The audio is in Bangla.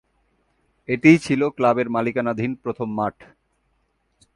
এটিই ছিল ক্লাবের মালিকানাধীন প্রথম মাঠ।